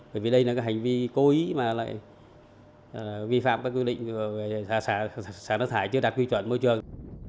bởi vì đây là hành vi cố ý mà lại vi phạm các quy định của sở nước thải chưa đạt quy chuẩn môi trường